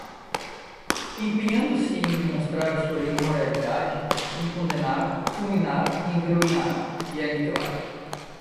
empenhando-se em demonstrar sua imoralidade, em condenar, fulminar, envergonhar... e aniquilar